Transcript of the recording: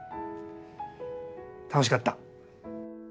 楽しかった。